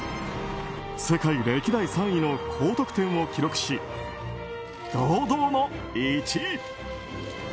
世界歴代３位の高得点を記録し堂々の１位。